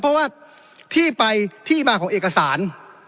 เพราะว่าที่ไปที่มาของเอกสาร